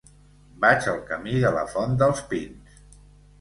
Vaig al camí de la Font dels Pins.